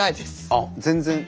あっ全然？